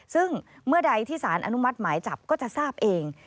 ซึ่งเมื่อใดที่สารอนุมัติหมายจับก็จะทราบเอง